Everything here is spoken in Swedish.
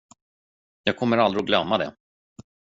Jag kommer aldrig att glömma det.